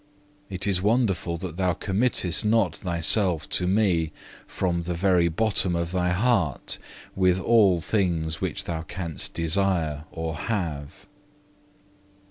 It is wonderful that thou committest not thyself to Me from the very bottom of thy heart, with all things which thou canst desire or have.